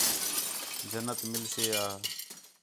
جنت مِل سے ہا